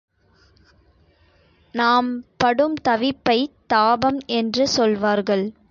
நாம் படும் தவிப்பைத் தாபம் என்று சொல்வார்கள்.